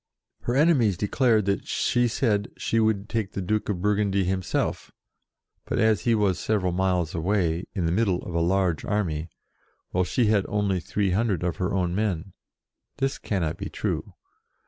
Her enemies declared that she said she HOW SHE WAS TAKEN 89 would take the Duke of Burgundy himself, but as he was several miles away, in the middle of a large army, while she had only three hundred of her own men, this cannot be true.